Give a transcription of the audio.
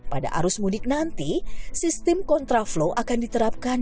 pada arus mudik nanti sistem kontraflow akan diterapkan